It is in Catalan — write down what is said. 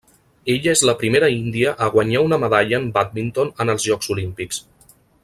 Ella és la primera índia a guanyar una medalla en bàdminton en els Jocs Olímpics.